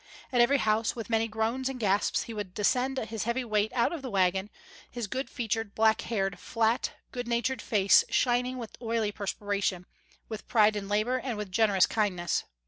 At every house with many groans and gasps he would descend his heavy weight out of the wagon, his good featured, black haired, flat, good natured face shining with oily perspiration, with pride in labor and with generous kindness.